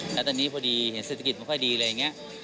แล้วตอนนี้พอดีเห็นเศรษฐกิจไม่ค่อยดีเลยอย่างนี้